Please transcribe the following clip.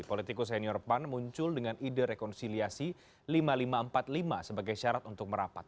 politikus senior pan muncul dengan ide rekonsiliasi lima ribu lima ratus empat puluh lima sebagai syarat untuk merapat